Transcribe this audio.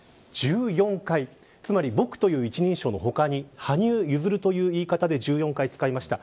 １４回つまり僕という一人称の他に羽生結弦という言い方で１４回使いました。